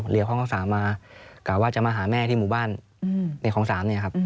ห้องข้าง๓มากะว่าจะมาหาแม่ที่หมู่บ้านในคลอง๓เนี่ยครับ